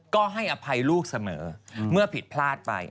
ก็ให้อภัยลูกเสมอเมื่อผิดพลาดไป